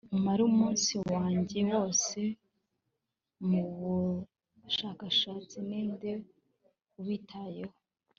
umare umunsi wanjye wose mubushakashatsi, - ninde ubitayeho